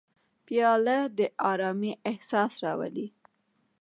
پیاله د ارامۍ احساس راولي.